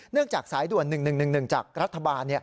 เนื่องจากสายด่วน๑๑๑๑จากรัฐบาล